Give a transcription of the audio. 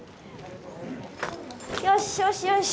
よしよしよし。